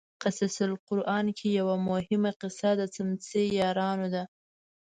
قصص القران کې یوه مهمه قصه د څمڅې یارانو ده.